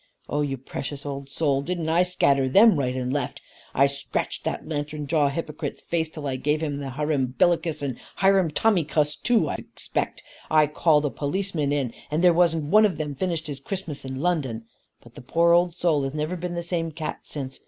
Oh you precious old soul, didn't I scatter them right and left? I scratched that lantern jawed hypocrite's face till I gave him the hirumbillycuss and hirumtommycuss too, I expect. I called a policeman in, and there wasn't one of them finished his Christmas in London. But the poor old soul has never been the same cat since.